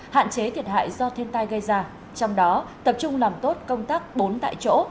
hạn chế thiệt hại do thiên tai gây ra trong đó tập trung làm tốt công tác bốn tại chỗ